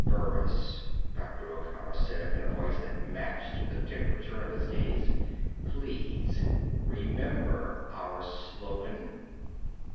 Burris," Dr. O'Connor said in a voice that matched the temperature of his gaze, "please. Remember our slogan."